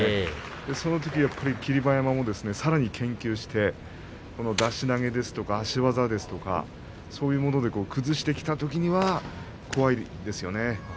そのとき霧馬山もさらに研究して出し投げでしたり足技ですとかそういうものに崩してきたときには怖いですよね。